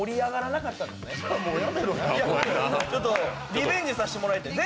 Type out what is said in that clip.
リベンジさせてもらいたい。